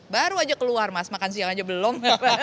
baru aja keluar mas makan siang aja belum